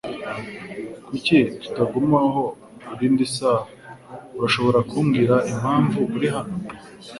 Kuki tutagumaho irindi saha? Urashobora kumbwira impamvu uri hano?